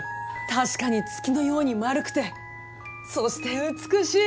確かに月のように円くてそして美しい！